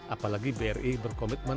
apalagi bri berkomitmen